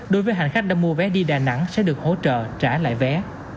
đối với hành khách đã mua vé đi đà nẵng sẽ được hỗ trợ trả lại vé